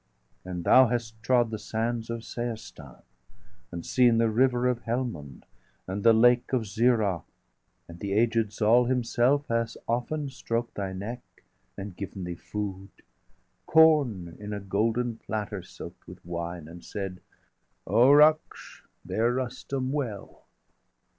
And thou hast trod the sands of Seistan, 750 And seen the River of Helmund,° and the Lake °751 Of Zirrah°; and the aged Zal himself °752 Has often stroked thy neck, and given thee food, Corn in a golden platter soak'd with wine, And said: _O Ruksh! bear Rustum well!